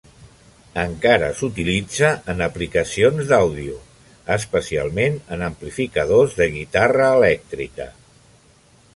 Encara s'utilitza en aplicacions d'àudio, especialment en amplificadors de guitarra elèctrica.